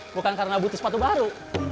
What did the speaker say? bukan karena butuh sepatu baru